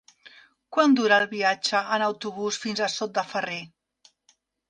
Quant dura el viatge en autobús fins a Sot de Ferrer?